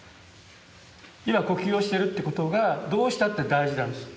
今呼吸をしてるってことがどうしたって大事なんです。